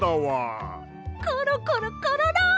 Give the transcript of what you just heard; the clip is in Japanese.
コロコロコロロ！